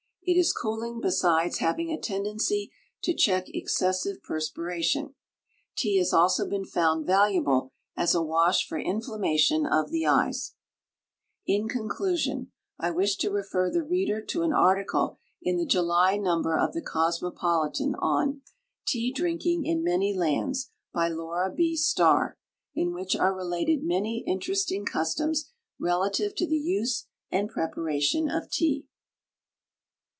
It is cooling besides having a tendency to check excessive perspiration. Tea has also been found valuable as a wash for inflammation of the eyes. In conclusion, I wish to refer the reader to an article in the July number of the Cosmopolitan on "Tea drinking in many lands," by Laura B. Starr, in which are related many interesting customs relative to the use and preparation of tea.